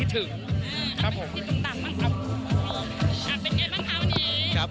มีเพลงอะไรมาฝาก